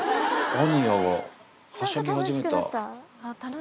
アニヤがはしゃぎ始めた。